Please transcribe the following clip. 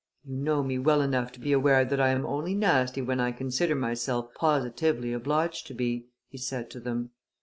"You know me, well enough to be aware that I am only nasty when I consider myself positively obliged to be," he said to them.